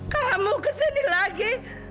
kamu ke sini lagi